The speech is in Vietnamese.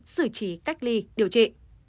xử trí cách ly điều trị